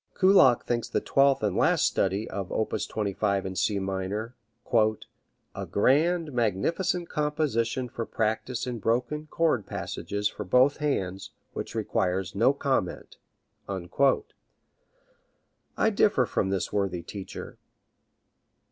Kullak thinks the twelfth and last study of op. 25 in C minor "a grand, magnificent composition for practice in broken chord passages for both hands, which requires no comment." I differ from this worthy teacher.